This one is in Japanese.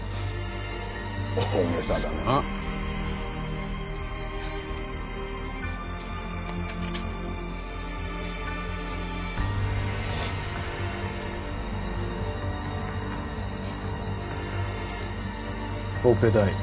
大げさだなオペ代